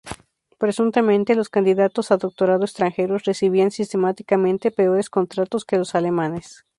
Presuntamente, los candidatos a doctorado extranjeros recibían sistemáticamente peores contratos que los alemanes.